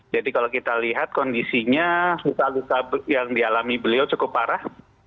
jadi kalau kita lihat kondisinya susah susah yang dialami beliau cukup parah